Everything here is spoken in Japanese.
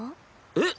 えっ？